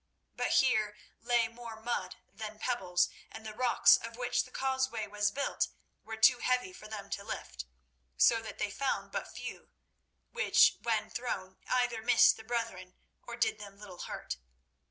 But here lay more mud than pebbles, and the rocks of which the causeway was built were too heavy for them to lift, so that they found but few, which when thrown either missed the brethren or did them little hurt.